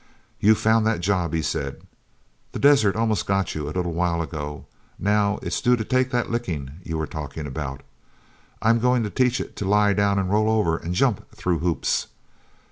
"You've found that job," he said. "The desert almost got you a little while ago—now it's due to take that licking you were talking about. I'm going to teach it to lie down and roll over and jump through hoops.